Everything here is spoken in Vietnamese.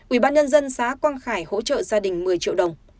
ủy ban nhân dân xã quang khải hỗ trợ gia đình một mươi triệu đồng